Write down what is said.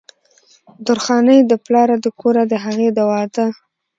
درخانۍ د پلار د کوره د هغې د وادۀ